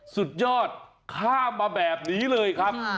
สุดยอดข้ามมาแบบนี้เลยครับ